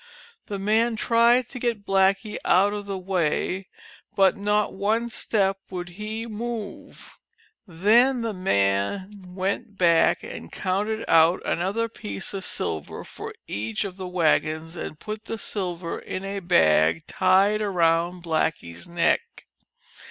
The man tried to get Blackie out of the way, but not one step would he move. Then the man went back and counted out another piece of silver for each of the wagons and put the sil ver in a bag tied around Blackie's neck.